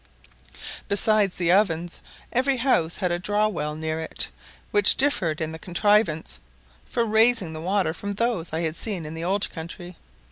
Besides the ovens every house had a draw well near it, which differed in the contrivance for raising the water from those I had seen in the old country.